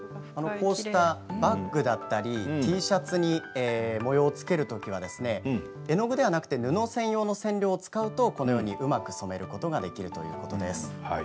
バッグだったりＴシャツに模様をつけるときは絵の具ではなくて布専用の染料を使うとこのようにうまく染めることができるということです。